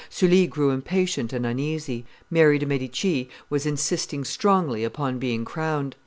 Sully grew impatient and uneasy. Mary de' Medici was insisting strongly upon being crowned.